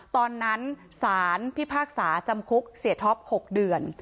ตอนนั้นสารพิพากษาจำคุกเสียท็อป๖เดือน